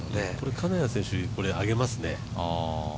金谷選手、上げますね。